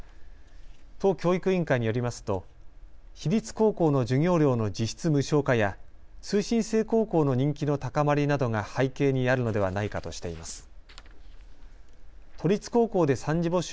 都教育委員会によりますと私立高校の授業料の実質無償化や通信制高校の人気の高まりなどが背景にあるのではないかとしています。